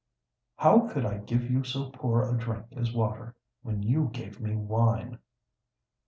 "How could I give you so poor a drink as water, when you gave me wine?"